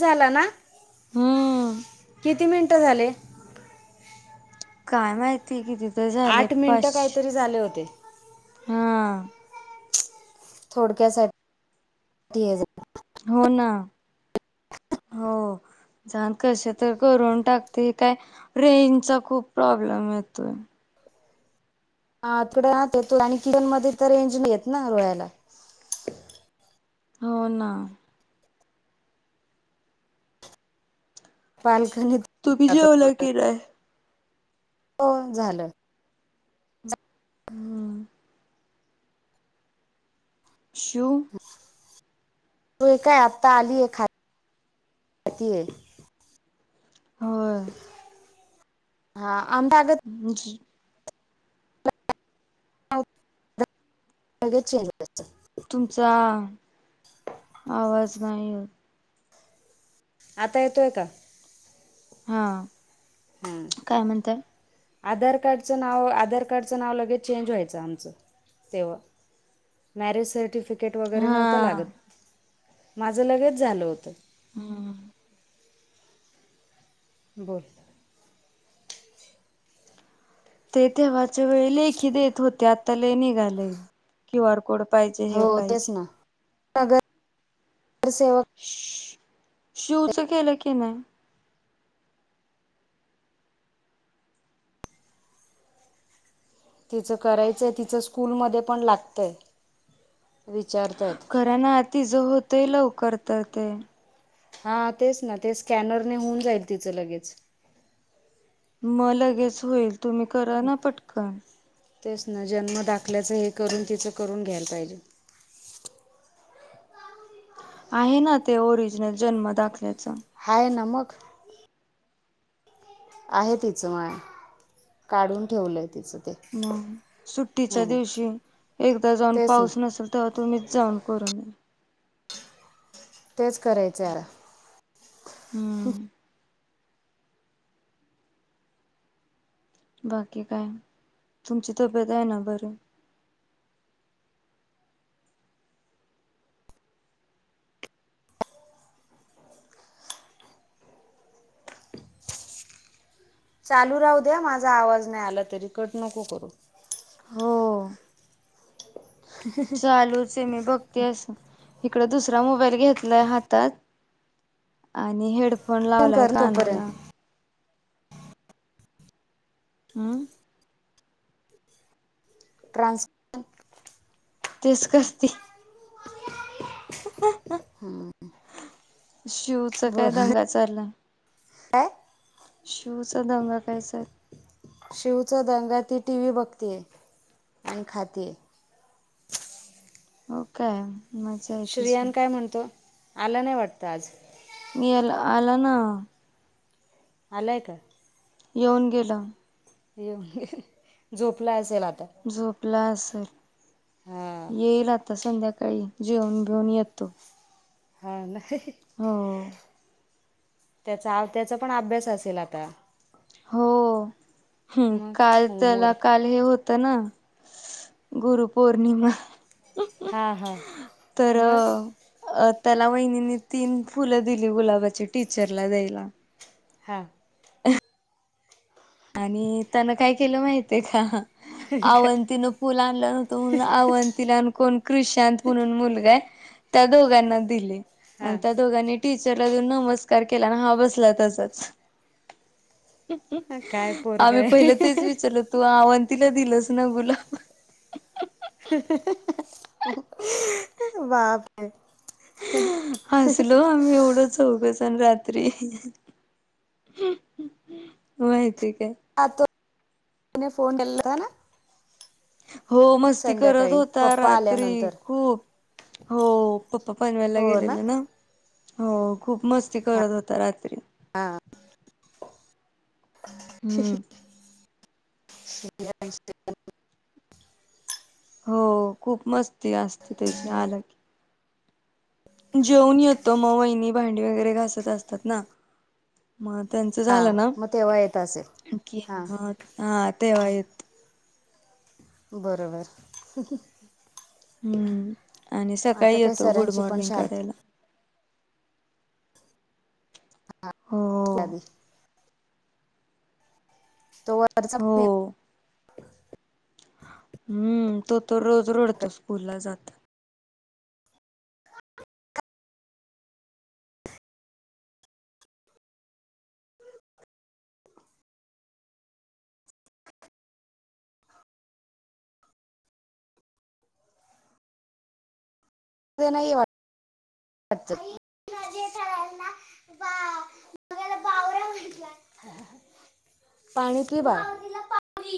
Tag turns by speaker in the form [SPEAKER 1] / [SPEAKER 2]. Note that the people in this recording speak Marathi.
[SPEAKER 1] झाला ना.
[SPEAKER 2] हू!
[SPEAKER 1] किती मिनटं झाले?
[SPEAKER 2] काय माहिती किती तरी झाले
[SPEAKER 1] आठ मिनिटं
[SPEAKER 2] पाश
[SPEAKER 1] काहीतरी झाले होते.
[SPEAKER 2] हा.
[SPEAKER 1] थोडक्यासाठी
[SPEAKER 2] हो ना. हो. झाल कश तर करून टाकते हे काय रेंजचा खूप प्रॉब्लेम येतोय.
[SPEAKER 1] तकडे तो आणि किचन मध्ये तर रेंज नाही येत ना रोयला.
[SPEAKER 2] हो ना.
[SPEAKER 1] पाणखणीत
[SPEAKER 2] तुम्ही जेवला की नाहीत?
[SPEAKER 1] हो झालं‌.
[SPEAKER 2] हम्. शिव
[SPEAKER 1] हे काय आता आलीया खात खातीय.
[SPEAKER 2] होय.
[SPEAKER 1] हा. आम
[SPEAKER 2] [inaudible]
[SPEAKER 1] लगेचे स
[SPEAKER 2] तुमचा आवाज नाही येत.
[SPEAKER 1] आता येतोय का?
[SPEAKER 2] हा.
[SPEAKER 1] हम्म.
[SPEAKER 2] काय म्हणताय
[SPEAKER 1] आधार कार्डच नाव आधार कार्डच नाव लगेच चेंन्ज व्हायचं आमचं तेव्हा. मॅरेज सर्टिफिकेट वगैरे नव्हतं
[SPEAKER 2] हा
[SPEAKER 1] लागत माझं लगेच झालं होतं.
[SPEAKER 2] हम्म.
[SPEAKER 1] बोल.
[SPEAKER 2] ते तेव्हाच्या वेळी लेखी देत होते आता लय निघालय. क्यू आर कोड पाहिजे हे
[SPEAKER 1] हो तेच
[SPEAKER 2] पाहिजे.
[SPEAKER 1] ना नगरसेवक.
[SPEAKER 2] शु शिवच केलं की नाही?
[SPEAKER 1] तिचं करायचं आहे तिचं स्कूलमध्ये पण लागतंय. विचारताहेत.
[SPEAKER 2] खरा ना तीच होतय लवकर तर ते
[SPEAKER 1] हा तेच ना ते स्कॅनरने होऊन जाईल तिचं लगेच.
[SPEAKER 2] मग लगेच होईल तुम्ही करा ना पटकन.
[SPEAKER 1] तेच ना. जन्म दाखल्याचं हे करून तिचं करून घ्यायला पाहिजे.
[SPEAKER 2] आहे ना, ते ओरिजिनल जन्म दाखल्याच.
[SPEAKER 1] हाय ना मग. आहे तिचं माय काढून ठेवलंय तिचं ते.
[SPEAKER 2] मग सुट्टीच्या
[SPEAKER 1] हो
[SPEAKER 2] दिवशी एकदा जाऊन
[SPEAKER 1] तेच ना
[SPEAKER 2] पाऊस नसेल तर तुम्हीच जाऊन करून या.
[SPEAKER 1] तेच करायचे आ
[SPEAKER 2] हम्म. बाकी काय? तुमची तब्येत आहे ना बरी?
[SPEAKER 1] चालू राहू द्या माझा आवाज नाही आला तरी कट नको करू.
[SPEAKER 2] हो चालूच आहे मी बघ तेच इकडे दुसरा मोबाईल घेतलाय हातात आणि हेडफोन फोन
[SPEAKER 1] पण
[SPEAKER 2] लावलाय
[SPEAKER 1] कर
[SPEAKER 2] कानाला
[SPEAKER 1] तोपर्यंत
[SPEAKER 2] अ
[SPEAKER 1] ट्रान्सफर [unintelligible]
[SPEAKER 2] तेच करते [inaudible] शिवच काय
[SPEAKER 1] बरं
[SPEAKER 2] दंगा चालला.
[SPEAKER 1] काय [inaudible]
[SPEAKER 2] शिवचा दंगा काय चाललाय
[SPEAKER 1] [inaudible] शिवचा दंगा ती टी. व्ही बघतेय आणि खातीय
[SPEAKER 2] ओके
[SPEAKER 1] श्रियान काय म्हणतो आला नाही वाटतं आज?
[SPEAKER 2] मेला आला ना
[SPEAKER 1] आलाय काय?
[SPEAKER 2] येऊन गेला.
[SPEAKER 1] येऊन [inaudible] गेल झोपला असेल आता
[SPEAKER 2] झोपला असेल.
[SPEAKER 1] हां
[SPEAKER 2] येईल आता संध्याकाळी जेवन बीऊन येतो.
[SPEAKER 1] हा नाही [inaudible]
[SPEAKER 2] हो
[SPEAKER 1] त्याचा आणि त्याचा पण अभ्यास असेल [inaudible] आता
[SPEAKER 2] हो [inaudible]
[SPEAKER 1] मग
[SPEAKER 2] काल त्याला
[SPEAKER 1] होमवर्क
[SPEAKER 2] काल हे होत ना गुरुपौर्णिमा
[SPEAKER 1] हां हां
[SPEAKER 2] तर
[SPEAKER 1] मग
[SPEAKER 2] अ त्याला वहिनीनी तीन फुलं दिली गुलाबाची टीचरला द्यायला.
[SPEAKER 1] हा
[SPEAKER 2] [unintelligible] आणि त्यानं काय केलं माहिती हाय का?
[SPEAKER 1] काय
[SPEAKER 2] अवंतीन फूल आणला नव्हतं म्हणून अवंतीला आणि कोण क्रिशांत म्हणून मुलगा हाय त्या दोघांना दिले आणि त्या
[SPEAKER 1] हां
[SPEAKER 2] दोघांनी टीचरला देऊन नमस्कार केला अन हा बसला तसाच [inaudible]
[SPEAKER 1] काय पोर
[SPEAKER 2] आम्ही
[SPEAKER 1] काय
[SPEAKER 2] पहिलं तेच विचारलं तू अवतीला दिलस ना गुलाब
[SPEAKER 1] बापरे
[SPEAKER 2] हसलो आम्ही एवढं चौघ जण जन रात्री माहिती हाय काय
[SPEAKER 1] [unintelligible] फोन आलेला ना
[SPEAKER 2] हो मस्ती करत
[SPEAKER 1] संध्याकाळी
[SPEAKER 2] होता
[SPEAKER 1] पप्पा
[SPEAKER 2] रात्री
[SPEAKER 1] आल्यानंतर
[SPEAKER 2] खूप हो पप्पा पनवेलला गेलेले ना हो खूप मस्ती करत होता रात्री
[SPEAKER 1] हा
[SPEAKER 2] हम
[SPEAKER 1] [inaudible]
[SPEAKER 2] हो खूप मस्ती असते त्याची आला की जेवून येतो म वहिनी भांडी वगैरे घासत असतात ना म
[SPEAKER 1] हां
[SPEAKER 2] झालं ना
[SPEAKER 1] मग तेव्हा येत असेल
[SPEAKER 2] की
[SPEAKER 1] हां
[SPEAKER 2] म ह तेव्हा येतो
[SPEAKER 1] बरोबर
[SPEAKER 2] हम आणि सकाळी
[SPEAKER 1] आता काय
[SPEAKER 2] येतो गुड
[SPEAKER 1] सरांची पण
[SPEAKER 2] मॉर्निंग
[SPEAKER 1] शाळा
[SPEAKER 2] करायला हो
[SPEAKER 1] नदी तो वर जात नाही.
[SPEAKER 2] हो हम्म, तो तर रोज रडतो स्कूलला जाता
[SPEAKER 1] [unintelligible] म्हटला
[SPEAKER 2] [inaudible]
[SPEAKER 1] पाणी पी बाळ.